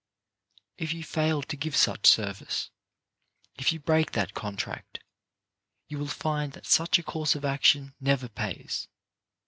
If you fail to give such service, if you break that contract, you will find that such a course of action never pays.